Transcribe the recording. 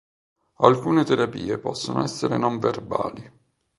Alcune terapie possono essere non verbali.